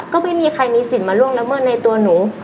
ก็ไม่มีใครมีสิทธิ์มาล่วงละเมิดในตัวหนู